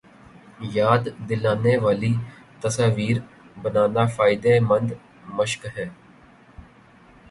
یاد دلانے والی تصاویر بنانا فائدے مند مشق ہے